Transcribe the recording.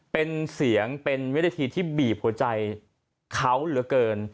เป็นเสียงเป็นวินาทีที่บีบหัวใจเขาเหลือเกิน